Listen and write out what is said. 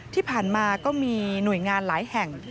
ที่ผ่านมาก็มีหน่วยงานหลายแห่ง